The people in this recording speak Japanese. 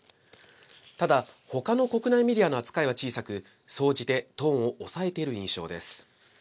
ただ他の国内メディアの扱いは小さく総じてトーンを抑えている印象です。